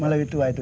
melayu tua itu